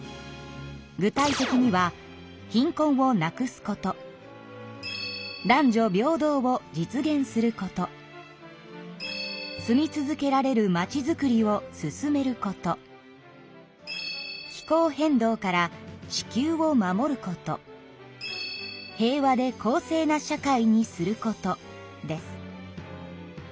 具体的には「貧困をなくすこと」「男女平等を実現すること」「住み続けられるまちづくりを進めること」「気候変動から地球を守ること」「平和で公正な社会にすること」です。